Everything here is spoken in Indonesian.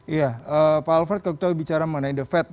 iya pak alfred kebetulan bicara mengenai the fed